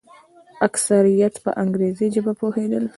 اکثریت په انګریزي ژبه پوهېدل.